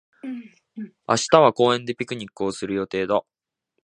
明日は公園でピクニックをする予定だ。